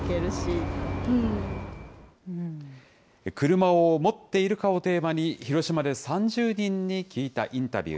車を持っているかをテーマに、広島で３０人に聞いたインタビュー。